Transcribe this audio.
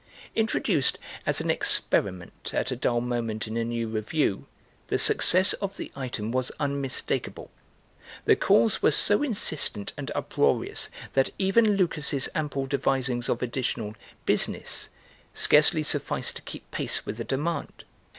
Introduced as an experiment at a dull moment in a new revue, the success of the item was unmistakable; the calls were so insistent and uproarious that even Lucas' ample devisings of additional "business" scarcely sufficed to keep pace with the demand.